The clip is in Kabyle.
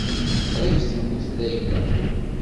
Qrib temmut Layla.